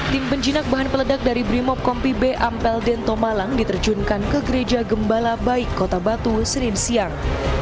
tim penjinak bahan peledak dari brimob kompi b ampel dento malang diterjunkan ke gereja gembala baik kota batu senin siang